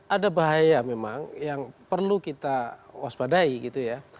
ada bahaya memang yang perlu kita waspadai gitu ya